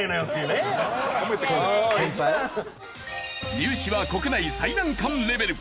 入試は国内最難関レベル！